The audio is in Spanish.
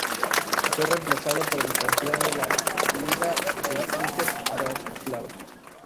Fue reemplazado por el campeón de la I Liga, el Inter Bratislava.